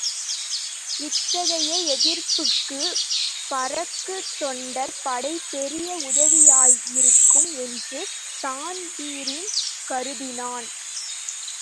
இத்தகைய எதிர்ப்புக்குப் பறக்குந் தொண்டர் படை பெரிய உதவியாயிருக்கும் என்று தான்பிரீன் கருதினான்.